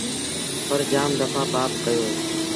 پر جآم دڦآ پآپ ڪيو اهي۔